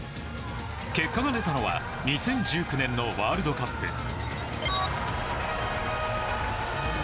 結果が出たのは２０１９年のワールドカップ。